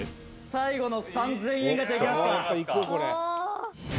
「最後の３０００円ガチャいきますか」